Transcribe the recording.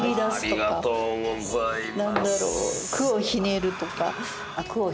ありがとうございます。